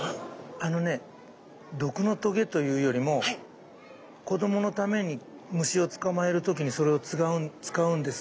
あのね毒のとげというよりも子どものために虫を捕まえる時にそれを使うんです